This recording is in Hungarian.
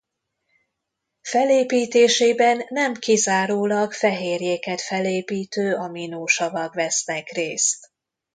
Felépítésében nem kizárólag fehérjéket felépítő aminosavak vesznek részt.